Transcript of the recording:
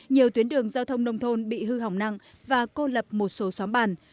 nhiều tuyến đường giao thông nông thôn bị hư hỏng nặng và cô lập một số xóm bàn